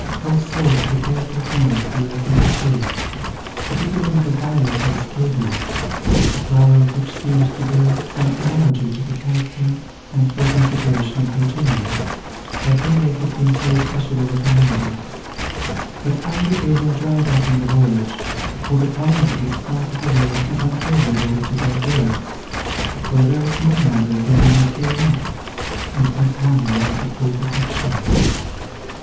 Paul sowed with a careful hand the European seeds, particularly the violet and the scabious, the flowers of which seemed to bear some analogy to the character and present situation of Virginia, by whom they had been so especially recommended; but either they were dried up in the voyage, or the climate of this part of the world is unfavourable to their growth, for a very small number of them even came up, and not one arrived at full perfection.